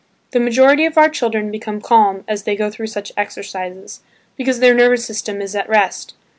The majority of our children become calm as they go through such exercises, because their nervous system is at rest.